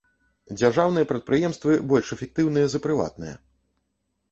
Дзяржаўныя прадпрыемствы больш эфектыўныя за прыватныя.